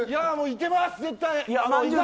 いけます絶対。